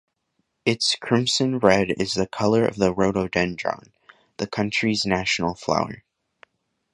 Its crimson red is the colour of the rhododendron, the country's national flower.